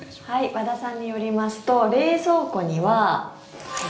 和田さんによりますと冷蔵庫には。